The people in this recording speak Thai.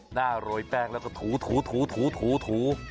หน้าโรยแป้งแล้วก็ถูถูถู